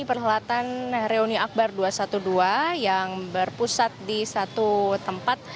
perhelatan reuni akbar dua ratus dua belas yang berpusat di satu tempat